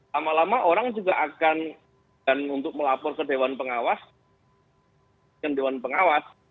lama lama orang juga akan dan untuk melapor ke dewan pengawas